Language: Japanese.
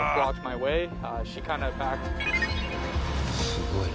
すごいね。